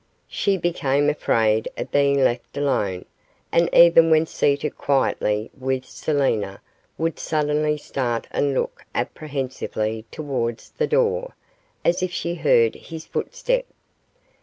She became afraid of being left alone, and even when seated quietly with Selina, would suddenly start and look apprehensively towards the door, as if she heard his footstep.